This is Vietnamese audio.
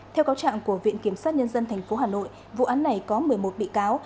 theo cáo trạng của viện kiểm sát nhân dân tp hà nội vụ án này có một mươi một bị cáo